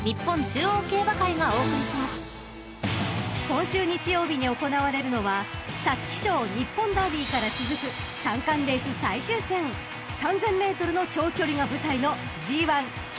［今週日曜日に行われるのは皐月賞日本ダービーから続く三冠レース最終戦３，０００ｍの長距離が舞台のＧⅠ菊花賞］